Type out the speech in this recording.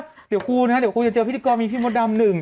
เดีนลับกูจะเจอพี่ก็มมี่พี่โมด่ำหนึ่ง